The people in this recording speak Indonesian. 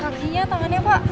kakinya tangannya pak